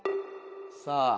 さあ。